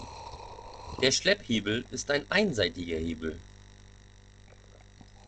Der Schlepphebel ist ein einseitiger Hebel.